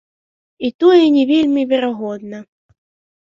І тое не вельмі верагодна.